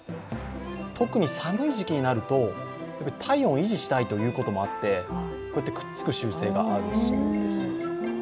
特に寒い時期になると体温を維持したいということでこうやってくっつく習性があるそうです。